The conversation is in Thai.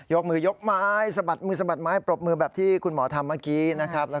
กมือยกไม้สะบัดมือสะบัดไม้ปรบมือแบบที่คุณหมอทำเมื่อกี้นะครับ